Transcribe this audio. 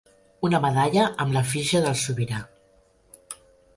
Una medalla amb l'efígie del sobirà.